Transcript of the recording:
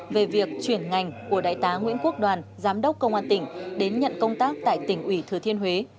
về việc chuyển ngành của đại tá nguyễn quốc đoàn giám đốc công an tỉnh đến nhận công tác tại tỉnh ủy thừa thiên huế